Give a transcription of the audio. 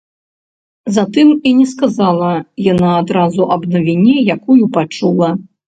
Затым і не сказала яна адразу аб навіне, якую пачула.